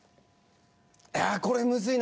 ああこれむずいな。